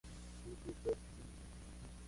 Juntos fueron pilares en su educación y formación.